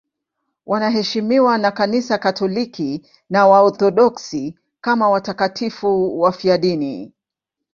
Wanaheshimiwa na Kanisa Katoliki na Waorthodoksi kama watakatifu wafiadini.